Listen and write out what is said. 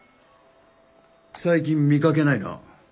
最近見かけないな。